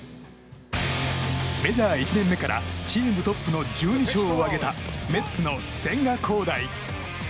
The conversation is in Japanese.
メジャー１年目からチームトップの１２勝を挙げたメッツの千賀滉大。